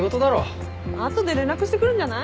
後で連絡してくるんじゃない？